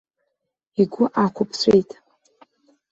Игәы ақәыԥҵәеит.